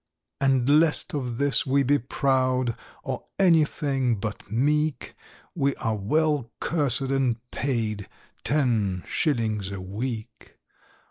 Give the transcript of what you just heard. "And lest of this we be proud Or anything but meek, We are well cursed and paid— Ten shillings a week!"